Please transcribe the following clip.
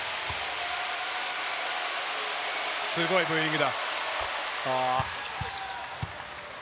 すごいブーイングだ。